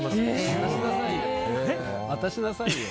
渡しなさいよ。